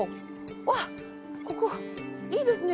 わっここいいですね。